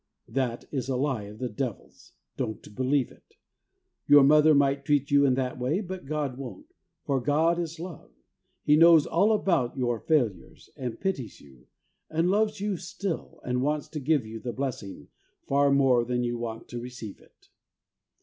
That is a lie of the Devil's. Don't believe it. Your mother might treat you in that way, but God won't, for ' God is love.' He knows all about your failures, and pities you, and loves you still, and wants to give you the blessing far more than you want to receive it.